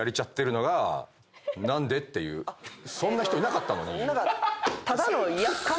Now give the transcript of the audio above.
そんな人いなかったのに。